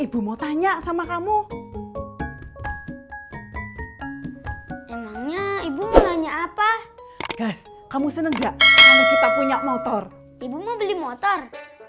ibu mau tanya sama kamu emangnya ibu nanya apa kamu seneng gak punya motor ibu mau beli motor